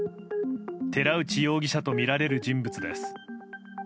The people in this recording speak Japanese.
寺内容疑者とみられる人物です。